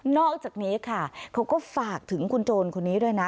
อกจากนี้ค่ะเขาก็ฝากถึงคุณโจรคนนี้ด้วยนะ